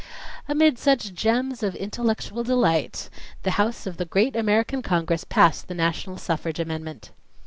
Amid such gems of intellectual delight the House of the great American Congress passed the national suffrage amendment.